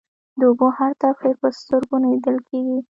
د اوبو هر تبخير په سترگو نه ليدل کېږي.